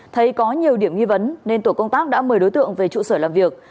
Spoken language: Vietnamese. thấy có nhiều điểm nghi vấn nên tổ công tác đã mời đối tượng về trụ sở làm việc